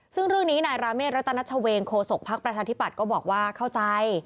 ซึ่งเรื่องนี้นายราเมฆรัตนัชเวงโคศกภักดิ์ประชาธิปัตย์ก็บอกว่าเข้าใจ